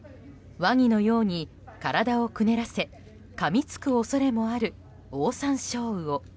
ワニのように体をくねらせかみつく恐れもあるオオサンショウウオ。